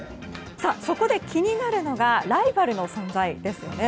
そこで、気になるのがライバルの存在ですね。